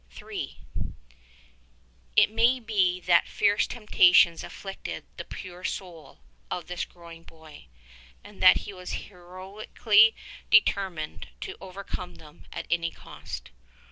153 III. It may be that fierce temptations afflicted the pure soul of this growing boy, and that he was heroically determined to overcome them at any cost.